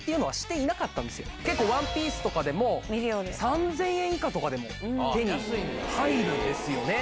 ワンピースとか３０００円以下でも手に入るんですよね。